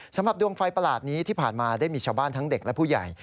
สำหรับดวงไฟประหลาดนี้ที่ผ่านมาได้มีชาวบ้านทั้งเด็กและผู้ใหญ่